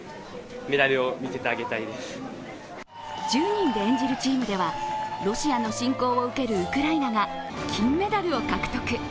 １０人で演じるチームでは、ロシアの侵攻を受けるウクライナが金メダルを獲得。